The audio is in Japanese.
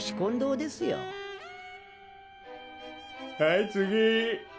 はい次。